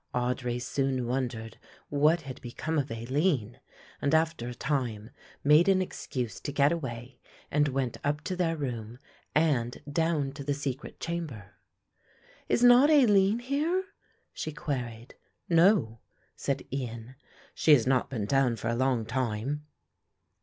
Audry soon wondered what had become of Aline and after a time made an excuse to get away and went up to their room and down to the secret chamber. "Is not Aline here?" she queried. "No," said Ian, "she has not been down for a long time."